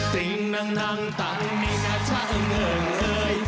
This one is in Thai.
ติ้งนั่งนั่งตังไม่ง่าจะเอาเงินเลย